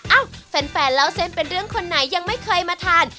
เอ้าแฟนเล่าเส้นเป็นเรื่องคนไหนยังไม่เคยมาทาน